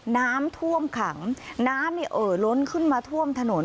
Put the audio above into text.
น้ำท่วมขังน้ำเนี่ยเอ่อล้นขึ้นมาท่วมถนน